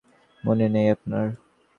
মনে নেই আপনার?